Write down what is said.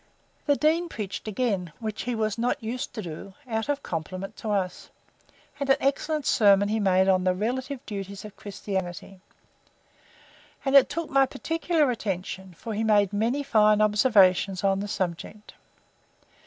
The dean preached again, which he was not used to do, out of compliment to us; and an excellent sermon he made on the relative duties of Christianity: And it took my particular attention; for he made many fine observations on the subject.